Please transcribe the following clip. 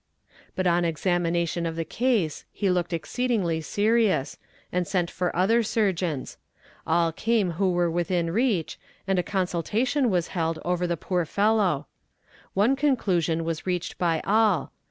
"But on examination of the case, he looked exceedingly serious, and sent for other surgeons. All came who were within reach, and a consultation was held over the poor fellow. One conclusion was reached by all.